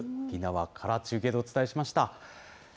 沖縄から中継でお伝えしました。